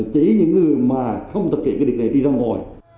chỉ những người mà không thực hiện cái điều này đi ra ngoài